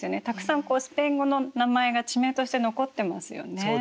たくさんスペイン語の名前が地名として残ってますよね。